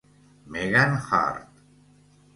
Megan Hart